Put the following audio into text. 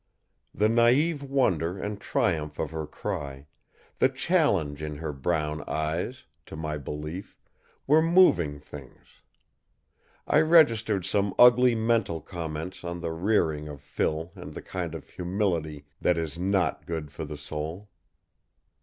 The naïve wonder and triumph of her cry, the challenge in her brown eyes, to my belief, were moving things. I registered some ugly mental comments on the rearing of Phil and the kind of humility that is not good for the soul.